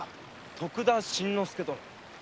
徳田新之助殿。